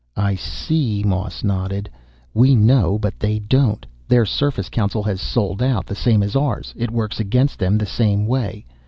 "I see." Moss nodded. "We know, but they don't. Their Surface Council has sold out, the same as ours. It works against them the same way.